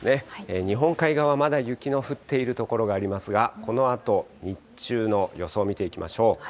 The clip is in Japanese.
日本海側、まだ雪の降っている所がありますが、このあと日中の予想見ていきましょう。